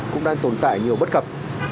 cũng đang tồn tại nhiều bất cập